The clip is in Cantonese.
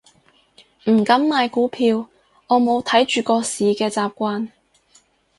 唔敢買股票，我冇睇住個市嘅習慣